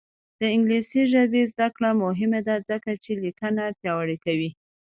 د انګلیسي ژبې زده کړه مهمه ده ځکه چې لیکنه پیاوړې کوي.